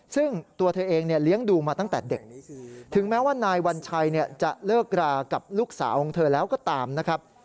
ซึ่งตัวเธอเองเนี่ยเลี้ยงดูมาตั้งแต่เด็กถึงแม้ว่านายวัญชัยจะเลิกรากับลูกสาวของเธอแล้วก็ตามนะครับ